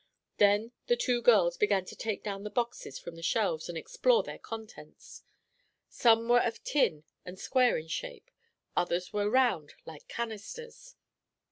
Then the two girls began to take down the boxes from the shelves and explore their contents. Some were of tin and square in shape; others were round, like canisters.